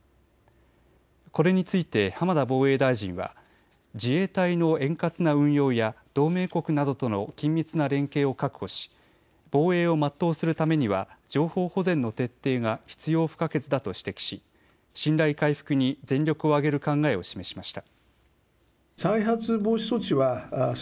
これについて浜田防衛大臣は自衛隊の円滑な運用や同盟国などとの緊密な連携を確保し防衛を全うするためには情報保全の徹底が必要不可欠だと指摘し信頼回復に全力を挙げる考えを示しました。